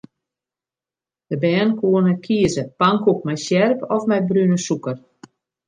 De bern koene kieze: pankoek mei sjerp of mei brune sûker.